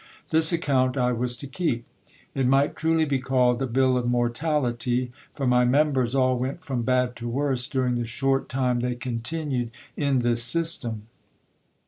This account I was to keep. It might truly be called a bill of mortality ; for my members all went from bad to worse during the short time they continued in this system.